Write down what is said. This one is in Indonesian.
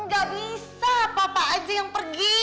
gak bisa papa aja yang pergi